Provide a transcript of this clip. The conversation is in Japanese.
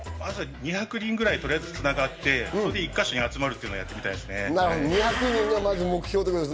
２００人ぐらい、とりあえずつながって、１か所に集まるのをやってみたいです。